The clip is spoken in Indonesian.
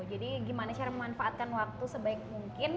jadi gimana cara memanfaatkan waktu sebaik mungkin